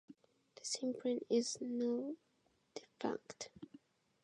This imprint is now defunct.